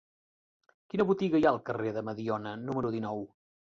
Quina botiga hi ha al carrer de Mediona número dinou?